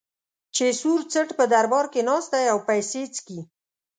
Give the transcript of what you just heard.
چې سور څټ په دربار کې ناست دی او پیپسي څښي.